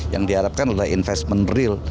yang diharapkan adalah investment real